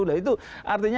nah itu artinya